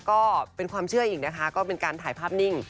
ก็เป็นความเชื่ออีกนะคะก็เป็นการถ่ายภาพนิ่ง